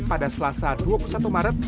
pada selasa dua puluh satu maret